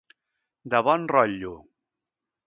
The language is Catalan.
De bon rotllo.